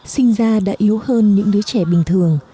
sinh ra đã yếu hơn những đứa trẻ bình thường